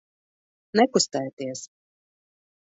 Nekustēties!